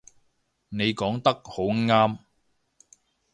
你講得好啱